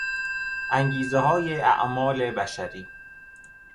انگیزههای اعمال بشری